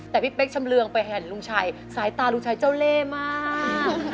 แต่พี่เป๊กชำเรืองไปเห็นลุงชัยสายตาลุงชัยเจ้าเล่มาก